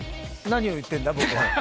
何を言ってるんだ、僕は。